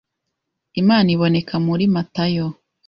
imana iboneka muri Matayo